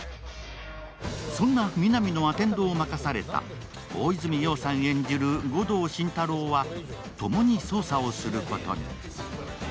そんな皆実のアテンドを任された大泉洋さん演じる護道心太朗はともに捜査をすることに。